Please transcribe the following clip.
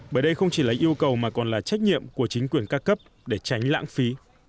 bởi đây không chỉ là yêu cầu mà còn là trách nhiệm của chính quyền ca cấp để tránh lãng phí